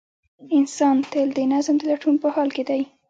انسان تل د نظم د لټون په حال کې دی.